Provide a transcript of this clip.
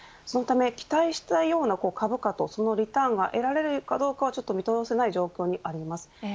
そのため、期待したような株価とそのリターンが得られるかどうかは見通せない状況にあります。